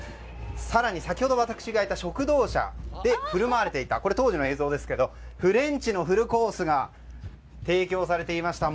更に、先ほど私がいた食堂車で振る舞われていたこれは当時の映像ですがフレンチのフルコースが提供されていました。